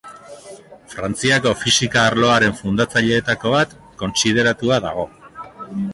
Frantziako fisika arloaren fundatzaileetako bat kontsideratua dago.